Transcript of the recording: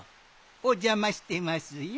おじゃましてますよ。